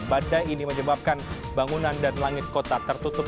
badai ini menyebabkan bangunan dan langit kota tertutup